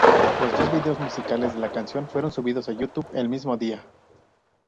Los dos vídeos musicales de la canción fueron subidos a YouTube el mismo día.